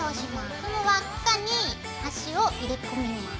その輪っかに端を入れ込みます。